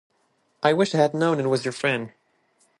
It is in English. I wish I had known it was your friend.